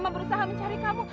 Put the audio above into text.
berusaha mencari kamu